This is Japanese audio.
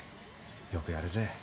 よくやるぜ。